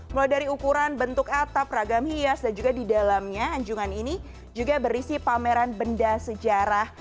mulai dari ukuran bentuk atap ragam hias dan juga di dalamnya anjungan ini juga berisi pameran benda sejarah